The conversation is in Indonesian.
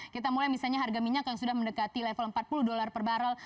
kita mulai misalnya harga minyak yang sudah mendekati level empat puluh dolar per barrel